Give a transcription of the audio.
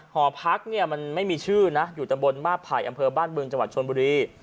ห่อพักมันไม่มีชื่ออยู่ตรงบนบ้าไผ่อำเภอบ้านบึงจังหวัดชนบุรี